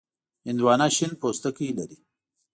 هندوانه شنه پوستکی لري.